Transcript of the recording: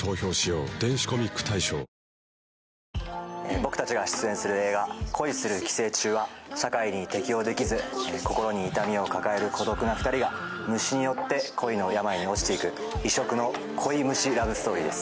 僕たちが出演する映画「恋する寄生虫」は社会に適応できず心に痛みを抱える孤独な２人が虫によって恋の病に落ちていく、異色の恋虫ラブストーリーです。